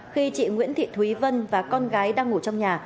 khi chị nguyễn thị thúy vân và con gái đang ngủ trong nhà